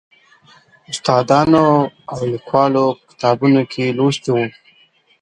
د استادانو او لیکوالو په کتابونو کې لوستی و.